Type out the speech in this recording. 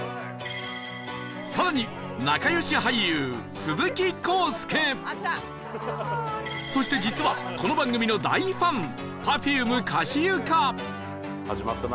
更にそして実はこの番組の大ファン Ｐｅｒｆｕｍｅ かしゆか始まったな。